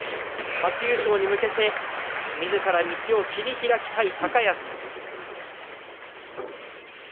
初優勝に向けて高安、みずからその道を切り開きたい。